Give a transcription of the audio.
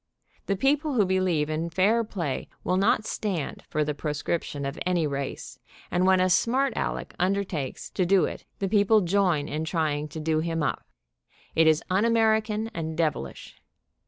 The people who believe in fair play will not stand for the proscription of any race, and when a smart Aleck undertakes to do it, the people join in trying to do him up. It is un American, and devilish.